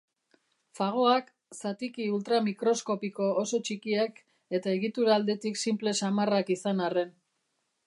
Fagoak, zatiki ultramikroskopiko oso txikiak eta egitura aldetik sinple samarrak izan arren.